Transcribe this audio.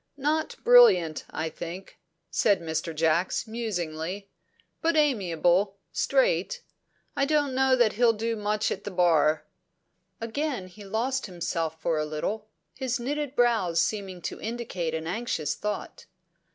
"Not brilliant, I think," said Mr. Jacks musingly. "But amiable, straight. I don't know that he'll do much at the Bar." Again he lost himself for a little, his knitted brows seeming to indicate an anxious thought.